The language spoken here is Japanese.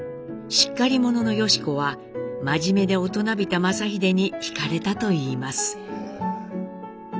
しっかり者の良子は真面目で大人びた正英にひかれたといいます。